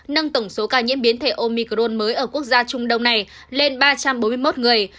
nâng tổng số ca nhiễm biến thể omicron mới ở quốc gia trung đông này lên ba trăm bốn mươi một người